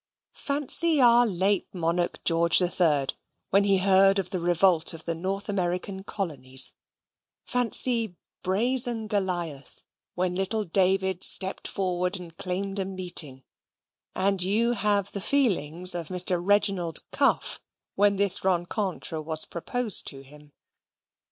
Fancy our late monarch George III when he heard of the revolt of the North American colonies: fancy brazen Goliath when little David stepped forward and claimed a meeting; and you have the feelings of Mr. Reginald Cuff when this rencontre was proposed to him.